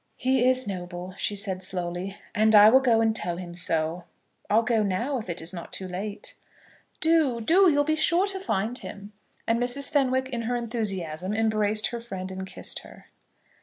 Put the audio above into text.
"He is noble," she said, slowly; "and I will go and tell him so. I'll go now, if it is not too late." "Do, do. You'll be sure to find him." And Mrs. Fenwick, in her enthusiasm, embraced her friend and kissed her.